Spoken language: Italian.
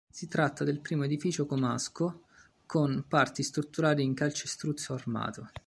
Si tratta del primo edificio comasco con parti strutturali in calcestruzzo armato.